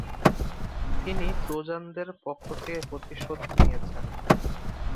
তিনি ট্রোজানদের পক্ষ থেকে প্রতিশোধ নিয়েছেন।